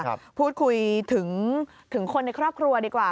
พูดคุยถึงคนในครอบครัวดีกว่า